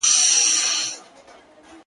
دوستان او وطنوال دي جهاني خدای په امان که٫